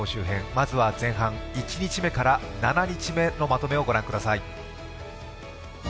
編まずは前半、１日目から７日目のまとめをご覧ください。